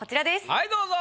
はいどうぞ。